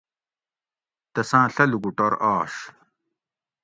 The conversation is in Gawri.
تساں ڷہ لوکوٹور آش